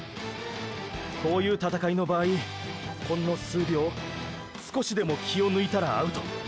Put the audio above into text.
こういう闘いの場合ほんの数秒少しでも気を抜いたらアウト。